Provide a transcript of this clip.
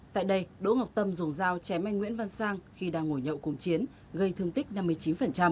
tại đây đỗ ngọc tâm dùng dao chém anh nguyễn văn sang khi đang ngồi nhậu cùng chiến gây thương tích năm mươi chín